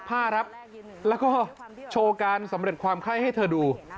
ผ้าครับแล้วก็โชว์การสำเร็จความไข้ให้เธอดู